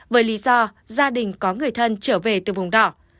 với lý do gia đình có người thân trở về từ vùng đỏ